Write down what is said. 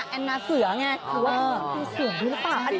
อันนี้มาเสือไง